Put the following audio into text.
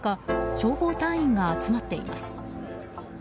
消防隊員が集まっています。